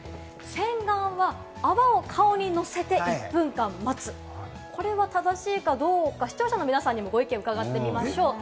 洗顔は泡を顔にのせて１分間待つ、これは正しいかどうか、視聴者の皆さまにもご意見を伺ってみましょう。